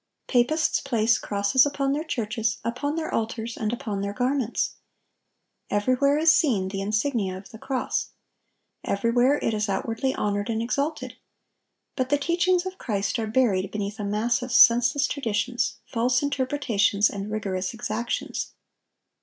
Papists place crosses upon their churches, upon their altars, and upon their garments. Everywhere is seen the insignia of the cross. Everywhere it is outwardly honored and exalted. But the teachings of Christ are buried beneath a mass of senseless traditions, false interpretations, and rigorous exactions.